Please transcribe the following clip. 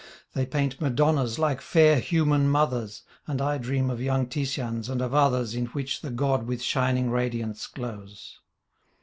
They paint Madonnas like fair human mothers And I dream of young Titians and of others In which the God with shining radiance glows.